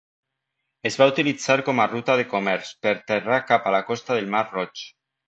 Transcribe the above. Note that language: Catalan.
Es va utilitzar com a ruta de comerç per terra cap a la costa del mar Roig.